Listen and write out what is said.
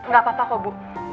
gak apa apa bu